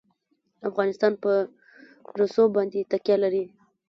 افغانستان په رسوب باندې تکیه لري.